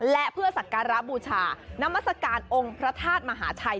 และเพื่อสักการะบูชานามัศกาลองค์พระธาตุมหาชัย